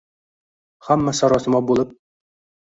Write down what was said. Hamma sarosima bo‘lib